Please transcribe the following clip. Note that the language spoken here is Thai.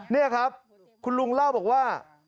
นี่ครับคุณลุงเล่าบอกว่า